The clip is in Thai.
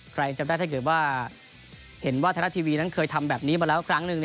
ใครจำได้ถ้าเกิดว่าเห็นว่าธนาคต์ทีวีเคยทำแบบนี้มาแล้วครั้งหนึ่ง